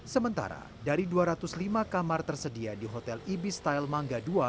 sementara dari dua ratus lima kamar tersedia di hotel ibi style mangga ii